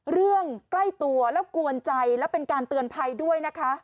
เรื่องใกล้ตัวแล้วกวนใจและเป็นการเตือนภัยด้วยนะคะ